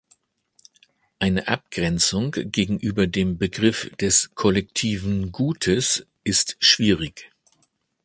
Eine Abgrenzung gegenüber dem Begriff des kollektiven Gutes ist schwierig.